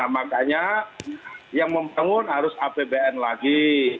makanya yang membangun harus apbn lagi